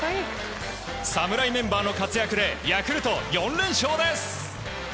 侍メンバーの活躍でヤクルト、４連勝です。